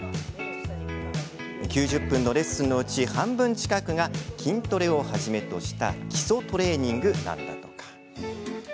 ９０分のレッスンのうち半分近くが筋トレをはじめとした基礎トレーニングなんだとか。